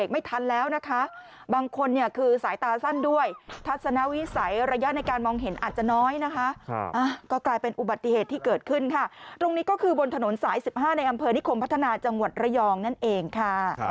ไม่ทันแล้วนะคะบางคนเนี่ยคือสายตาสั้นด้วยทัศนวิสัยระยะในการมองเห็นอาจจะน้อยนะคะก็กลายเป็นอุบัติเหตุที่เกิดขึ้นค่ะตรงนี้ก็คือบนถนนสาย๑๕ในอำเภอนิคมพัฒนาจังหวัดระยองนั่นเองค่ะ